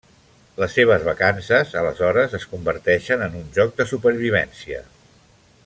Les seves vacances, aleshores, es converteixen en un joc de supervivència.